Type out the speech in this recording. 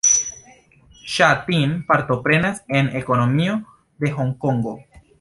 Ŝa Tin partoprenas en ekonomio de Honkongo.